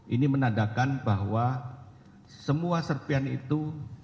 ini menandakan bahwa semua serpian itu